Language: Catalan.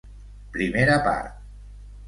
Primera part.